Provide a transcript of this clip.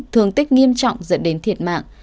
thương tích nghiêm trọng dẫn đến thiệt mạng